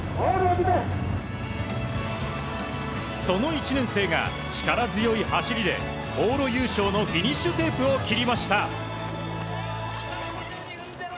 その１年生が力強い走りで往路優勝のフィニッシュテープを切りました。